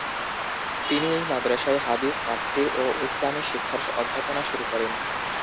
তিনি এই মাদ্রাসায় হাদিস, তাফসীর ও ইসলামি শিক্ষার অধ্যাপনা শুরু করেন।